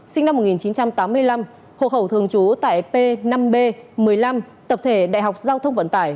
sinh năm một nghìn chín trăm tám mươi năm hộ khẩu thường trú tại p năm b một mươi năm tập thể đại học giao thông vận tải